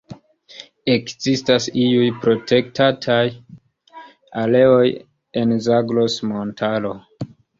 Ekzistas iuj protektataj areoj en Zagros-Montaro.